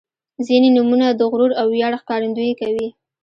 • ځینې نومونه د غرور او ویاړ ښکارندويي کوي.